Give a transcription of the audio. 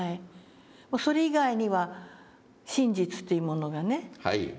それ以外には真実というものがね